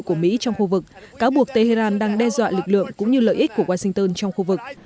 của mỹ trong khu vực cáo buộc tehran đang đe dọa lực lượng cũng như lợi ích của washington trong khu vực